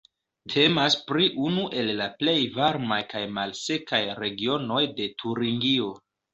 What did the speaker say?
Temas pri unu el la plej varmaj kaj malsekaj regionoj de Turingio.